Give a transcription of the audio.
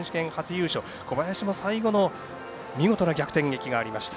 小林も最後の見事な逆転劇がありました。